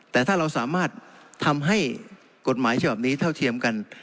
แต่ถ้าเราสามารถทำให้กฎหมายฉบับนี้เท่าเทียมกัน